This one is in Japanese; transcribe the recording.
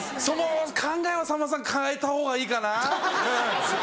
その考えはさんまさん変えたほうがいいかな。